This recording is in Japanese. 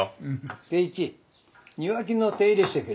圭一庭木の手入れしてくれ。